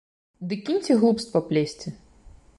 Ды кіньце глупства плесці.